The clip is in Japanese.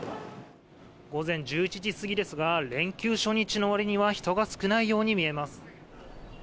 午前１１時過ぎですが、連休初日のわりには、人が少ないように見えます。